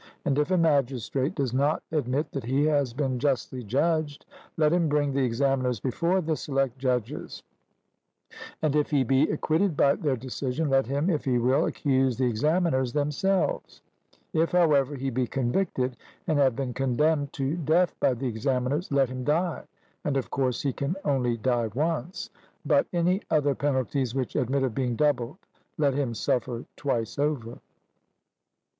And if a magistrate does not admit that he has been justly judged, let him bring the examiners before the select judges, and if he be acquitted by their decision, let him, if he will, accuse the examiners themselves; if, however, he be convicted, and have been condemned to death by the examiners, let him die (and of course he can only die once): but any other penalties which admit of being doubled let him suffer twice over.